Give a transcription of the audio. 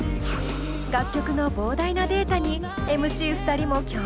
楽曲の膨大なデータにＭＣ２人も驚愕！